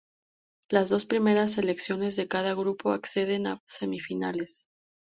Las dos primeras selecciones de cada grupo acceden a semifinales.